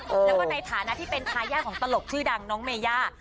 แล้วก็ในฐานะที่เป็นทายาทของตลกชื่อดังน้องเมย่า